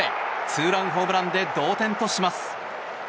ツーランホームランで同点とします。